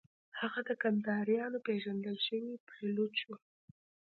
هغه د کندهار یو پېژندل شوی پایلوچ و.